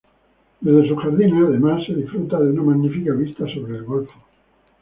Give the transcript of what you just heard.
Desde sus jardines, además, se disfruta de una magnífica vista sobre el golfo.